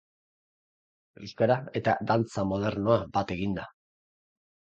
Euskara eta dantza modernoa bat eginda.